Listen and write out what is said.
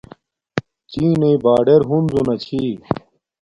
چینݵ باڑر ہنزو نا چھی